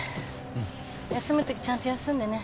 休むときちゃんと休んでね。